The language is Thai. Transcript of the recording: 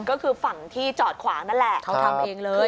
ก็คือฝั่งที่จอดขวางนั่นแหละเขาทำเองเลย